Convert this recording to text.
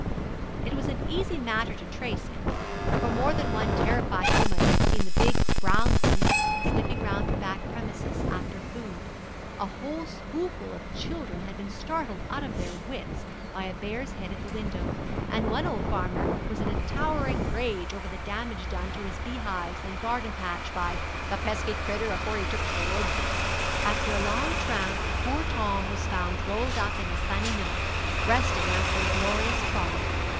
It was an easy matter to trace him, for more than one terrified woman had seen the big, brown beast sniffing round her back premises after food; a whole schoolful of children had been startled out of their wits by a bear's head at the window; and one old farmer was in a towering rage over the damage done to his bee hives and garden patch by "the pesky critter, afore he took to the woods." After a long tramp poor Tom was found rolled up in a sunny nook, resting after a glorious frolic.